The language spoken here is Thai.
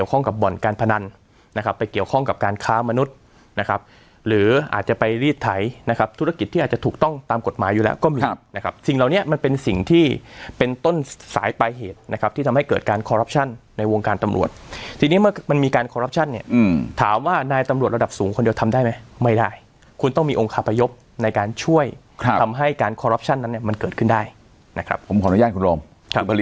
กับบ่อนการพนันนะครับไปเกี่ยวข้องกับการค้ามนุษย์นะครับหรืออาจจะไปรีดไถนะครับธุรกิจที่อาจจะถูกต้องตามกฎหมายอยู่แล้วก็มีนะครับสิ่งเหล่านี้มันเป็นสิ่งที่เป็นต้นสายปลายเหตุนะครับที่ทำให้เกิดการคอรับชั่นในวงการตำรวจที่นี่มันมีการคอรับชั่นเนี่ยถามว่านายตำรวจระดับสูงคนเดียวทำได้ไหมไม่